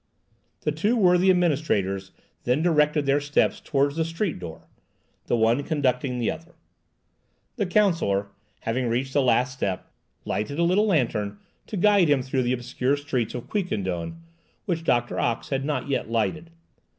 The two worthy administrators then directed their steps towards the street door, the one conducting the other. The counsellor, having reached the last step, lighted a little lantern to guide him through the obscure streets of Quiquendone, which Doctor Ox had not yet lighted.